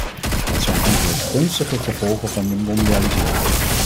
Dat zijn enkele gunstige gevolgen van de mondialisering.